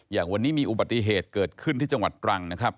อย่างวันนี้มีอุบัติเหตุเกิดขึ้นที่จังหวัดตรังนะครับ